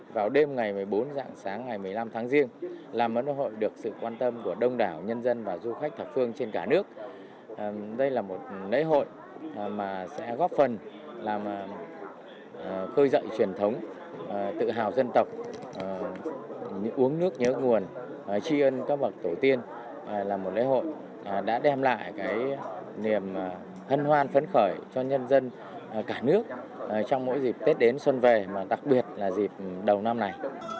tổ tiên là một lễ hội đã đem lại cái niềm hân hoan phấn khởi cho nhân dân cả nước trong mỗi dịp tết đến xuân về mà đặc biệt là dịp đầu năm này